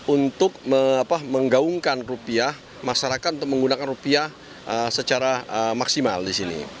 untuk menggaungkan rupiah masyarakat untuk menggunakan rupiah secara maksimal di sini